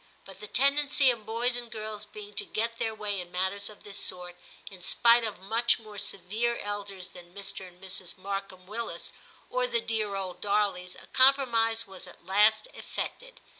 But the tendency of boys and girls being to get their way in matters of this sort, in spite of much more severe elders than Mr. and Mrs. Markham Willis, or the dear old Darleys, a compromise was at last effected.